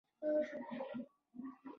موږ بیا د مورس هډسن دکان ته ورغلو.